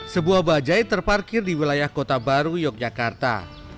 sebuah bajai terparkir di wilayah kota baru yogyakarta